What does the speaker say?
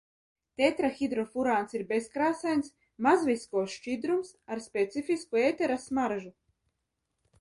Tetrahidrofurāns ir bezkrāsains, mazviskozs šķidrums ar specifisku ētera smaržu.